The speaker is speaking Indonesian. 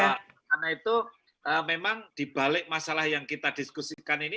karena itu memang dibalik masalah yang kita diskusikan ini